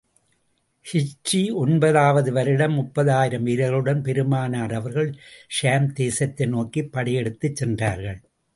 ஹிஜ்ரி ஒன்பது வது வருடம், முப்பதாயிரம் வீரர்களுடன் பெருமானார் அவர்கள் ஷாம் தேசத்தை நோக்கிப் படையெடுத்துச் சென்றார்கள்.